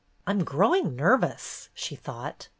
"I'm growing nervous," she thought.